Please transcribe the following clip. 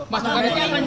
masukan itu yang lain pak